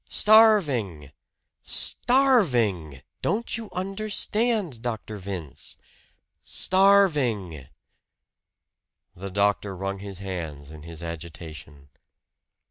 starving! starving! Don't you understand, Dr. Vince? Starving!" The doctor wrung his hands in his agitation.